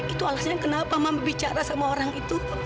itu alasannya kenapa mama bicara sama orang itu